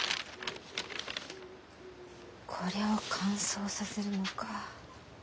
これを乾燥させるのか。